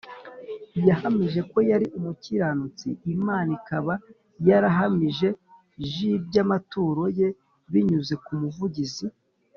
yahamijwe ko yari umukiranutsi Imana ikaba yarahamije g iby amaturo ye binyuze kumuvugizi